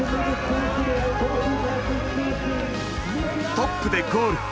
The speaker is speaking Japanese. トップでゴール。